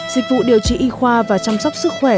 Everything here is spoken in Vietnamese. dịch vụ điều trị y khoa và chăm sóc sức khỏe